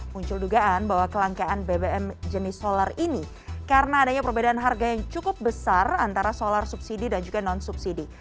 muncul dugaan bahwa kelangkaan bbm jenis solar ini karena adanya perbedaan harga yang cukup besar antara solar subsidi dan juga non subsidi